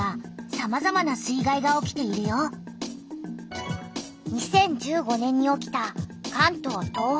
２０１５年に起きた関東・東北豪雨。